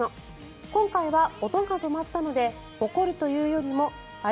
今回は音が止まったので怒るというよりもあれ？